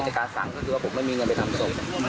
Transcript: การสั่งก็คือว่าผมไม่มีเงินไปทำศพ